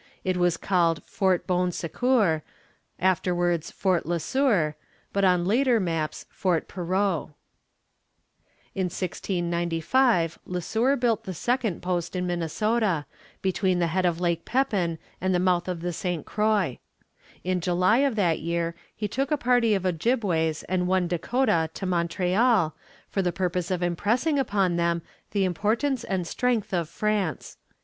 It was called Fort Bon Secours, afterwards Fort Le Sueur, but on later maps Fort Perot. In 1695 Le Sueur built the second post in Minnesota, between the head of Lake Pepin and the mouth of the St. Croix. In July of that year he took a party of Ojibways and one Dakota to Montreal, for the purpose of impressing upon them the importance and strength of France.